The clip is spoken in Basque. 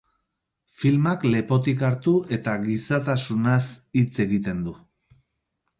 Filmak lepotik hartu eta gizatasunaz hitz egiten du.